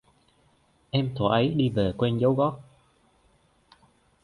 Em thuở ấy đi về quên dấu gót